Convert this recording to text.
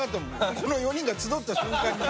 この４人が集った瞬間に。